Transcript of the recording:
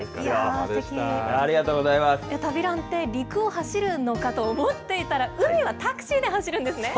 旅ランって陸を走るのかと思っていたら、海はタクシーで走るんですね。